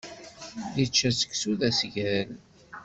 Ičča seksu d asgal.